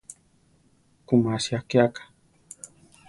Ku masia akíaka.